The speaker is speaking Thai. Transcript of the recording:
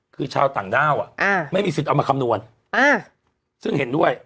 คือชาวต่างด้าวไม่มีสิทธิ์เอามาคำนวณซึ่งเห็นด้วย